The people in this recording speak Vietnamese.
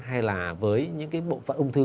hay là với những bộ phận ung thư